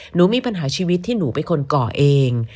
หนูมีปัญหาชีวิตที่หนูเป็นคนก่อเอง